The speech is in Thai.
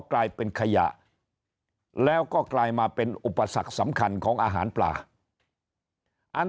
กลายเป็นขยะแล้วก็กลายมาเป็นอุปสรรคสำคัญของอาหารปลาอัน